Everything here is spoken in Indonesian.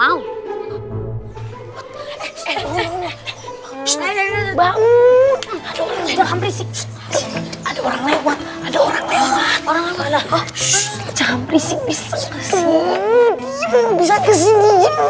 ada orang lewat ada orang